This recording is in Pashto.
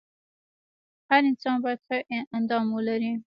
هر انسان باید ښه اندام ولري .